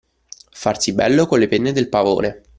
Farsi bello con le penne del pavone.